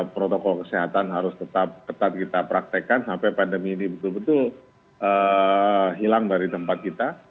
protokol kesehatan harus tetap ketat kita praktekkan sampai pandemi ini betul betul hilang dari tempat kita